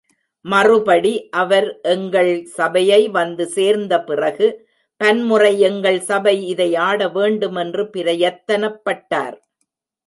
மறுபடி அவர் எங்கள் சபையை வந்து சேர்ந்த பிறகு பன்முறை எங்கள் சபை இதை ஆட வேண்டுமென்று பிரயத்தனப்பட்டார்.